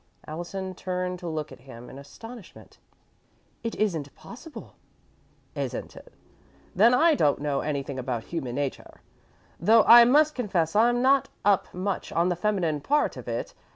Allison turned to look at him in astonishment. "It isn't possible!" "Isn't it? Then I don't know anything about human nature, though I must confess I'm not up much on the feminine part of it.